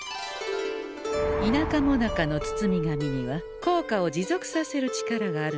田舎もなかの包み紙には効果を持続させる力があるのでござんす。